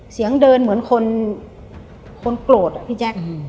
เสียงเดินเหมือนคนคนโกรธอะพี่แจ๊ค